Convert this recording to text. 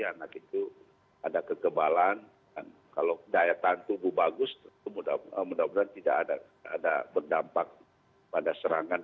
anak itu ada kekebalan dan kalau daya tahan tubuh bagus mudah mudahan tidak ada berdampak pada serangan